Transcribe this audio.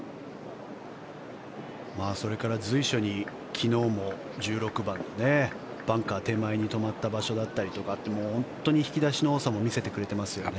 それから随所に昨日も１６番バンカー手前に止まった場所だったりとかって本当に引き出しの多さも見せてくれますよね。